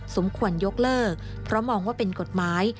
สมควรยกเลิกเพราะมองว่าเป็นกฎหมาย